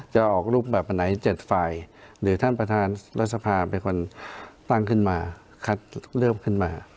จะออกรูปแบบอันไหน๗ฝ่ายหรือท่านประธานรัฐสภาเป็นคนตั้งขึ้นมาคัดเริ่มขึ้นมา